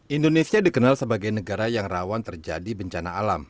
indonesia dikenal sebagai negara yang rawan terjadi bencana alam